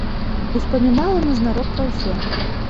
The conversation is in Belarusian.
Успамінала назнарок пра ўсё.